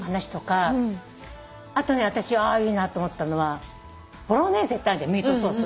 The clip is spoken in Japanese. あと私いいなと思ったのはボロネーゼってあんじゃんミートソース。